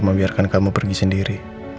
membiarkan kamu pergi sendiri